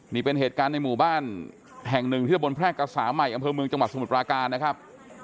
นี่เป็นเหตุการณ์ในหมู่บ้านแห่งหนึ่งที่ตะบนแพรกกระสาใหม่อำเภอเมืองจังหวัดสมุทรปราการนะครับ